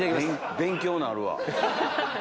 勉強なるわ。